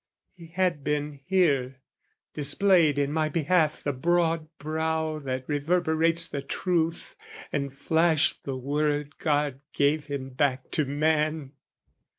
He had been here, displayed in my behalf The broad brow that reverberates the truth, And flashed the word God gave him, back to man!